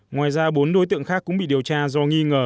ngoài ra bốn đối tượng khác cũng bị điều tra do nghi ngờ